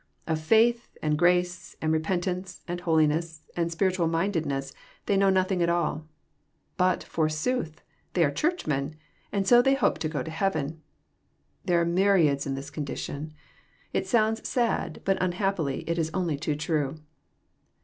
Of faith, and grace, and repentance, and holiness, and spiritual mindedness they know nothing at all. But, forsooth I they are Charchmen, and so they hope to go to heaven ! There are myriads in this condition. It sounds sad, but unhappily it is only too true.